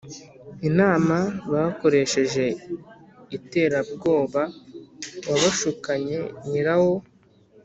inama bakoresheje iterabwoba wabashukanye nyirawo.